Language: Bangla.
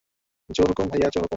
জো হুকুম, ভাইয়া, জো হুকুম।